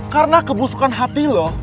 karena kebusukan hati lo